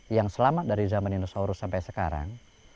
yang selamat dari zaman dinosaurus sampai sekarang